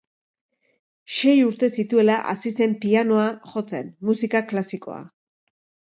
Sei urte zituela hasi zen pianoa jotzen, musika klasikoa.